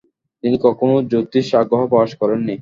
তিনি কখনও জ্যোতিষ আগ্রহ প্রকাশ করেননি।